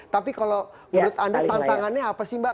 tapi kalau menurut anda tantangannya apa sih mbak